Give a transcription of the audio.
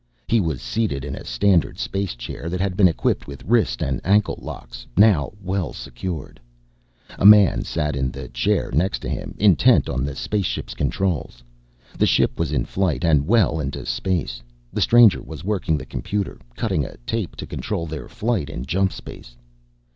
He was seated in a standard spacechair that had been equipped with wrist and ankle locks, now well secured. A man sat in the chair next to him, intent on the spaceship's controls; the ship was in flight and well into space. The stranger was working the computer, cutting a tape to control their flight in jump space.